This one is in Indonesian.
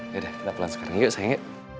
yaudah kita pelan sekarang yuk saya